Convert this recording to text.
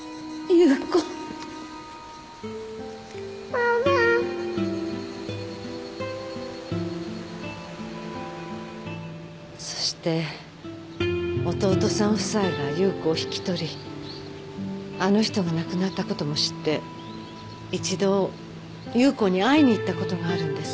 ママそして弟さん夫妻が夕子を引き取りあの人が亡くなったことも知って一度夕子に会いに行ったことがあるんです。